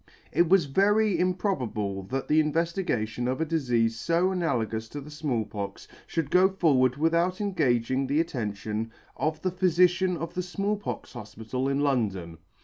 It was very improbable that the invefligation of a difeafe fo analagous to the Small Pox, fhould go forward without engaging the attention of the Phyfici'an of the Small pox Hofpital in London.